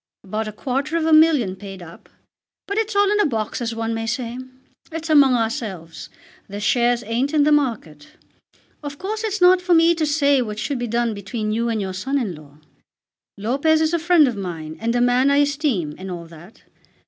About a quarter of a million paid up. But it's all in a box as one may say. It's among ourselves. The shares ain't in the market. Of course it's not for me to say what should be done between you and your son in law. Lopez is a friend of mine, and a man I esteem, and all that.